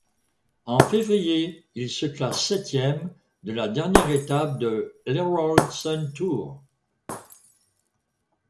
En février, il se classe septième de la dernière étape de l'Herald Sun Tour.